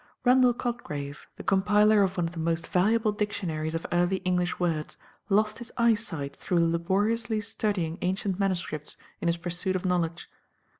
Randle Cotgrave, the compiler of one of the most valuable dictionaries of early English words, lost his eyesight through laboriously studying ancient MSS. in his pursuit of knowledge.